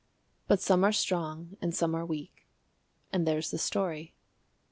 But some are strong and some are weak, And there's the story.